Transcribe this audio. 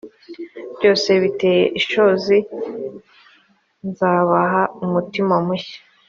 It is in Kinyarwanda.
byose biteye ishozi h nzabaha umutima mushya